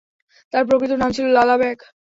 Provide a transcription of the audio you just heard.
তার প্রকৃত নাম ছিল লালা বেগ।